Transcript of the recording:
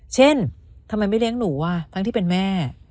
ทำไมไม่เลี้ยงหนูทั้งที่เป็นแม่